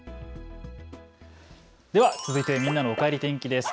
では続いてみんなのおかえり天気です。